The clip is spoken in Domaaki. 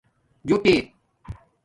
جݸٹے